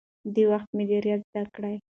د وخت مدیریت زده کړئ.